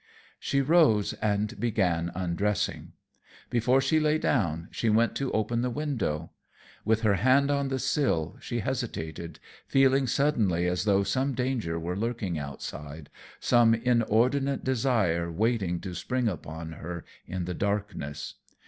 She rose and began undressing. Before she lay down she went to open the window. With her hand on the sill, she hesitated, feeling suddenly as though some danger were lurking outside, some inordinate desire waiting to spring upon her in the darkness.